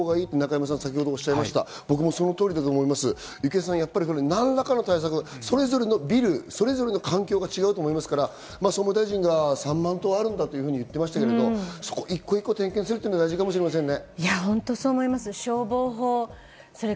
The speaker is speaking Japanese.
郁恵さん、何らかの対策、それぞれのビル、それぞれの環境が違うと思いますから、総務大臣が３万棟あるんだというふうに言ってましたけれど、一個一個点検するのは大事かもしれませんね。